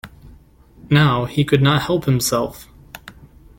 Now he could not help himself.